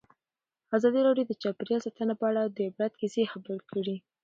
ازادي راډیو د چاپیریال ساتنه په اړه د عبرت کیسې خبر کړي.